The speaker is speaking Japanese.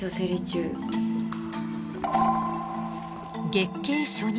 月経初日